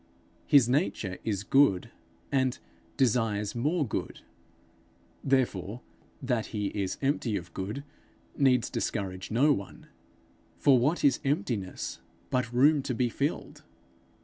His nature is good, and desires more good. Therefore, that he is empty of good, needs discourage no one; for what is emptiness but room to be filled?